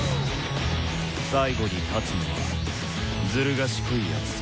最後に勝つのはズル賢いやつさ。